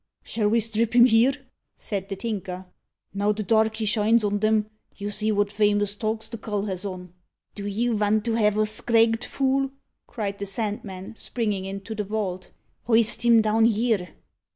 "Shall we strip him here?" said the Tinker. "Now the darkey shines on 'em, you see what famous togs the cull has on." "Do you vant to have us scragged, fool?" cried the Sandman, springing into the vault. "Hoist him down here."